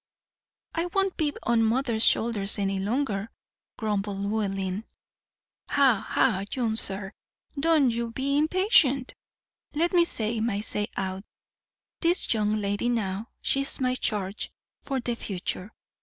"I won't be on mother's shoulders any longer," grumbled Llewellyn. "Ha! ha! young sir, don't you be impatient; let me say my say out. This young lady now, she's my charge for the future.